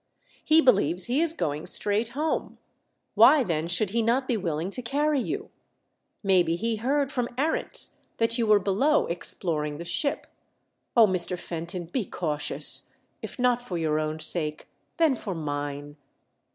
He believes he is going straight home. Why, then, should he not be willing to carry you ? Maybe he heard from Arents that you were below exploring the ship. Oh, Mr. Fenton, be cautious ! If not for your own sake, then for mme